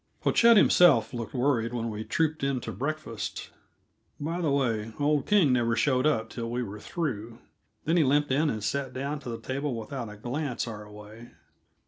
Pochette himself looked worried when we trooped in to breakfast. (By the way, old King never showed up till we were through; then he limped in and sat down to the table without a glance our way.)